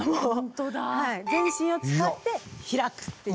全身を使って開くっていう。